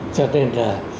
cho nên là